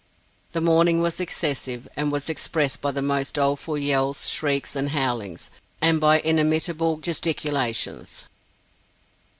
The mourning was excessive, and was expressed by the most doleful yells, shrieks, and howlings, and by inimitable gesticulations.